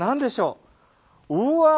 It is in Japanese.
うわ！